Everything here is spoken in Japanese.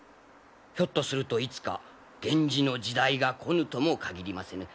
ひょっとするといつか源氏の時代が来ぬとも限りませぬ。